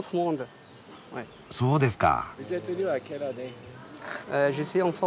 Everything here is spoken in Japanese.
そうですか。